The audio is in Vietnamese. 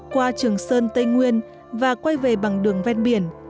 qua trường sơn tây nguyên và quay về bằng đường ven biển